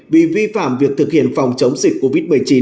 vì vi phạm việc thực hiện phòng chống dịch covid một mươi chín